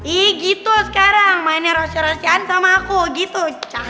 ih gitu sekarang mainnya rasian rasian sama aku gitu